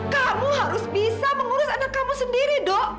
kamu harus bisa mengurus anak kamu sendiri dok